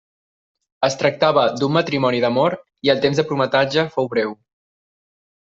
Es tractava d'un matrimoni d'amor i el temps de prometatge fou breu.